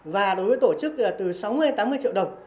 và đối với tổ chức là từ sáu mươi tám mươi triệu đồng